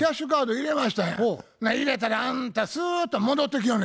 入れたらあんたスーッと戻ってきよんのや。